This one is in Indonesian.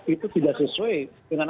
itu tidak sesuai dengan